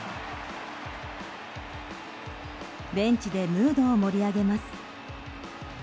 ベンチでムードを盛り上げます。